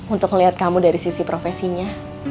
untuk melihat kamu dari sisi profesinya